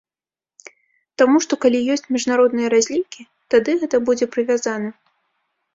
Таму што калі ёсць міжнародныя разлікі, тады гэта будзе прывязана.